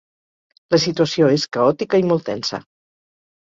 La situació és caòtica i molt tensa.